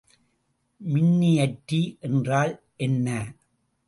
மின்னியற்றி என்றால் என்ன?